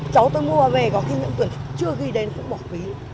cháu tôi mua về có khi những quyển chưa ghi đến cũng bỏ phí